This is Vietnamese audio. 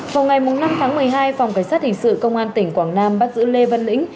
vào ngày năm tháng một mươi hai phòng cảnh sát hình sự công an tỉnh quảng nam bắt giữ lê văn lĩnh